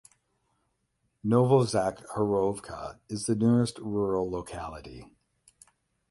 Novozakharovka is the nearest rural locality.